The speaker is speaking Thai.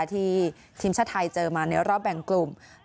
ทีมชาติไทยเจอมาในรอบแบ่งกลุ่ม